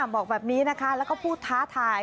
บอกแบบนี้นะคะแล้วก็พูดท้าทาย